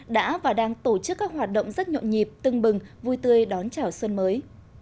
đã và đang tổ chức các hoạt động rất nhộn nhịp tưng bừng vui tươi đón chào xuân mới